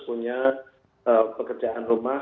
punya pekerjaan rumah